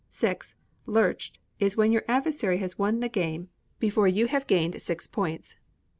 vi. Lurched is when your adversary has won the game before you have gained six points.